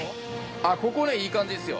あっここねいい感じですよ。